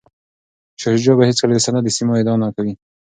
شاه شجاع به هیڅکله د سند د سیمو ادعا نه کوي.